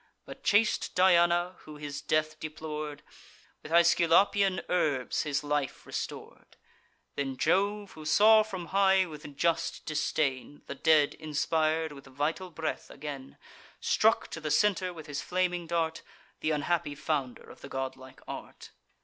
But chaste Diana, who his death deplor'd, With Aesculapian herbs his life restor'd. Then Jove, who saw from high, with just disdain, The dead inspir'd with vital breath again, Struck to the centre, with his flaming dart, Th' unhappy founder of the godlike art.